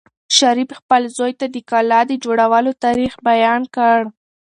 شریف خپل زوی ته د کلا د جوړولو تاریخ بیان کړ.